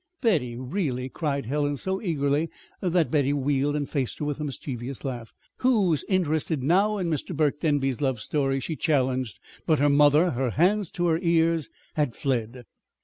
"Betty, really?" cried Helen so eagerly that Betty wheeled and faced her with a mischievous laugh. "Who's interested now in Mr. Burke Denby's love story?" she challenged. But her mother, her hands to her ears, had fled.